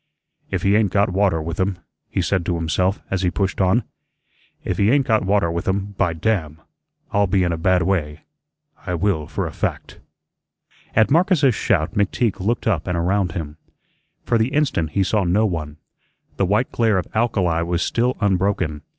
"If he ain't got water with um," he said to himself as he pushed on, "If he ain't got water with um, by damn! I'll be in a bad way. I will, for a fact." At Marcus's shout McTeague looked up and around him. For the instant he saw no one. The white glare of alkali was still unbroken.